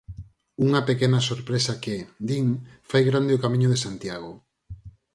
Unha pequena sorpresa que, din, fai grande o Camiño de Santiago.